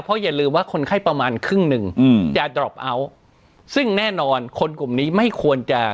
เพราะอย่าลืมว่าคนไข้ประมาณครึ่งหนึ่งอืมยาดรอปเอาท์ซึ่งแน่นอนคนกลุ่มนี้ไม่ควรจะ